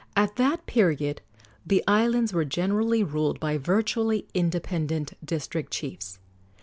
At that period the islands were generally ruled by virtually independent district chiefs.